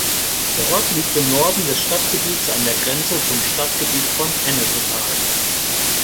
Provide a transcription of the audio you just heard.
Der Ort liegt im Norden des Stadtgebiets an der Grenze zum Stadtgebiet von Ennepetal.